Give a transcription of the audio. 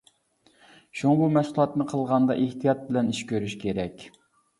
شۇڭا بۇ مەشغۇلاتنى قىلغاندا ئېھتىيات بىلەن ئىش كۆرۈش كېرەك.